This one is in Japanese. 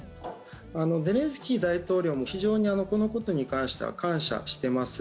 ゼレンスキー大統領も非常にこのことに関しては感謝してます。